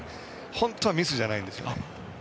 本当はミスじゃないんですよ。